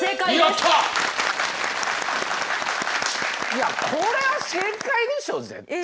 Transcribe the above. いやこれは正解でしょ絶対。